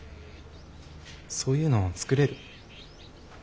そういうの作れる？